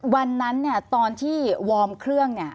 วันนั้นเนี่ยตอนที่วอร์มเครื่องเนี่ย